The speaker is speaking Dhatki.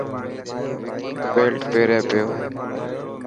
بيلٽ پيري پيو.